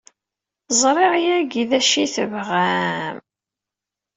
Ẓriɣ yagi d acu ay tebɣam!